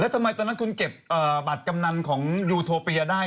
ทำไมตอนนั้นคุณเก็บบัตรกำนันของยูโทเปียได้